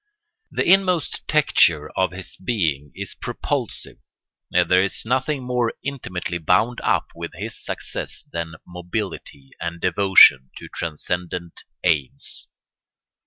The inmost texture of his being is propulsive, and there is nothing more intimately bound up with his success than mobility and devotion to transcendent aims.